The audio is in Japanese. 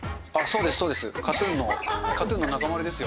そうです、そうです。